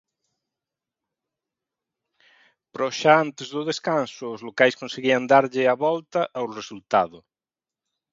Pero xa antes do descanso os locais conseguían darlle a volta ao resultado.